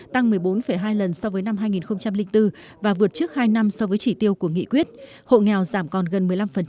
tăng một mươi bốn hai lần so với năm hai nghìn bốn và vượt trước hai năm so với chỉ tiêu của nghị quyết hộ nghèo giảm còn gần một mươi năm